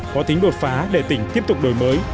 có tính đột phá để tỉnh tiếp tục đổi mới